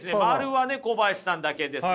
○はね小林さんだけですね。